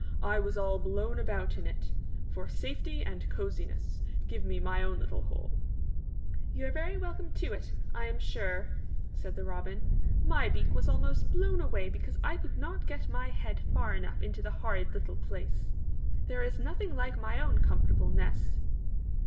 I was all blown about in it. For safety and coziness, give me my own little hole." 162 HOW THE WIND FIXED MATTERS. ^^You are very welcome to it, I am sure,'^ said the Robin. beak was almost blown away because I could not get my head far enough into the horrid little place. There is nothing like my own comfortable nest!"